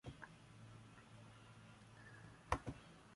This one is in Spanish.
Perdió los estribos y le arreó un guantazo